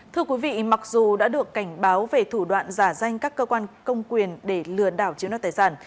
thưa quý vị mặc dù đã được cảnh báo về thủ đoạn giả danh các cơ quan công quyền để lừa đảo chiếu nọt tài sản